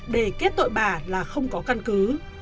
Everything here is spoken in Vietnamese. và kết tội bà là không có căn cứ